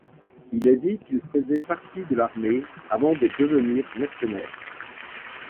Il est dit qu'il faisait partie de l'armée avant de devenir mercenaire.